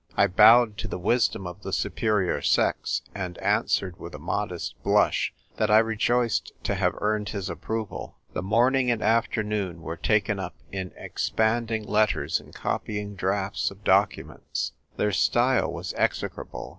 I bowed to the wisdom of the superior sex, and answered with a modest blush that I rejoiced to have earned his approval. The morning and afternoon were taken up in ei'panding letters and copying drafts of documents. Their style was execrable.